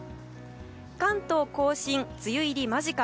関東・甲信、梅雨入り間近。